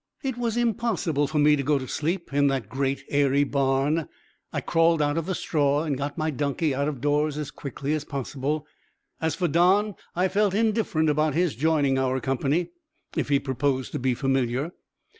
It was impossible for me to go asleep in that great, airy barn. I crawled out of the straw, and got my donkey out of doors as quickly as possible. As for Don, I felt indifferent about his joining our company, if he proposed to be familiar.